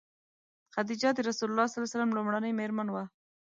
خدیجه د رسول الله ﷺ لومړنۍ مېرمن وه.